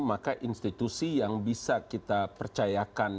maka institusi yang bisa kita percayakan